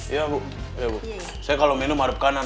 iya bu iya iya saya kalau minum hadap kanan